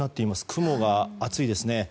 雲が厚いですね。